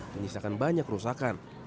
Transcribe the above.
menyisakan banyak kerusakan